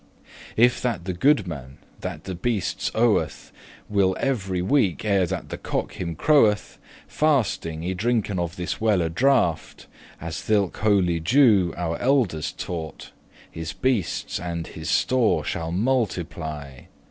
*heed "If that the goodman, that the beastes oweth,* *owneth Will every week, ere that the cock him croweth, Fasting, y drinken of this well a draught, As thilke holy Jew our elders taught, His beastes and his store shall multiply.